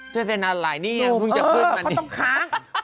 เท่าไหร่นานหลายนี่นุ่มจะขึ้นมานี่นุ่มเออเขาต้องค้าง